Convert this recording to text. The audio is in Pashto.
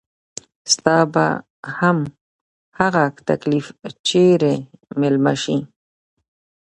ستا به هم هغه تکليف چري ميلمه شي